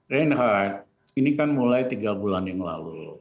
reinhardt ini kan mulai tiga bulan yang lalu